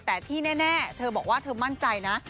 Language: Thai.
แต่ที่แน่เธอบอกว่าเธอมั่นใจนะ